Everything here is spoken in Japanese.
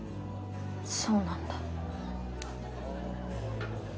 そうなんだ。